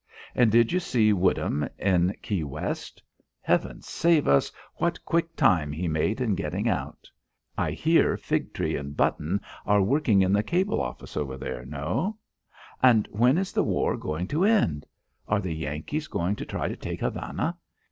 And did you see Woodham in Key West? Heaven save us, what quick time he made in getting out. I hear Figtree and Button are working in the cable office over there no? And when is the war going to end? Are the Yankees going to try to take Havana?